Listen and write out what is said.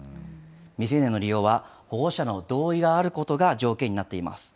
未成年の利用は、保護者の同意があることが条件になっています。